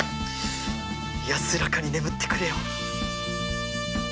安らかに眠ってくれよ。